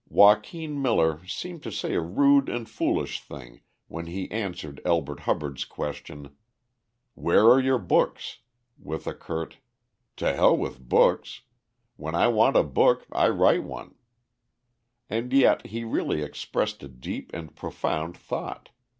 Joaquin Miller seemed to say a rude and foolish thing when he answered Elbert Hubbard's question, "Where are your books?" with a curt, "To hell with books. When I want a book I write one;" and yet he really expressed a deep and profound thought.